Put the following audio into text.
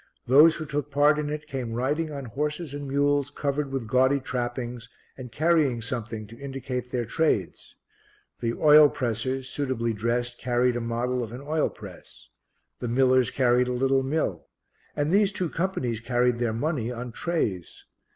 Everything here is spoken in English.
Those who took part in it came riding on horses and mules covered with gaudy trappings and carrying something to indicate their trades. The Oil pressers, suitably dressed, carried a model of an oil press; the Millers carried a little mill; and these two companies carried their money on trays.